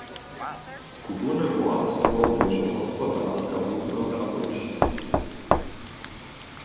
Kulturne bohatstwo móže hospodarska hódnota być.